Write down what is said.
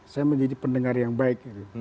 saya mau jadi pendengar yang baik